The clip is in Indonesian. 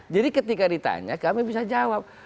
jadi ketika ditanya kami bisa jawab